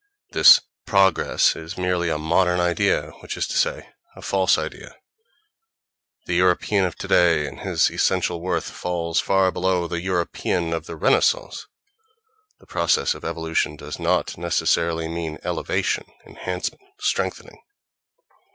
This "progress" is merely a modern idea, which is to say, a false idea. The European of today, in his essential worth, falls far below the European of the Renaissance; the process of evolution does not necessarily mean elevation, enhancement, strengthening.